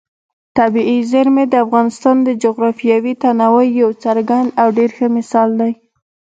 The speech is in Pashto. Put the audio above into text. طبیعي زیرمې د افغانستان د جغرافیوي تنوع یو څرګند او ډېر ښه مثال دی.